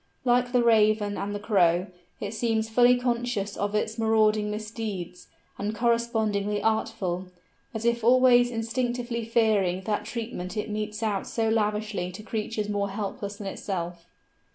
Like the Raven and the Crow, it seems fully conscious of its marauding misdeeds, and correspondingly artful, as if always instinctively fearing that treatment it metes out so lavishly to creatures more helpless than itself.